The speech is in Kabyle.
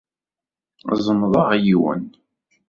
Zemḍeɣ yiwen.